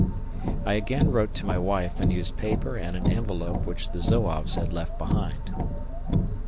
I again wrote to my wife and used paper and an envelope which the Zouaves had left behind.